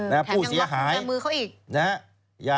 แถมยังหลอกมือเขาอีก